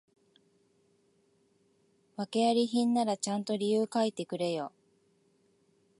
訳あり品ならちゃんと理由書いてくれよ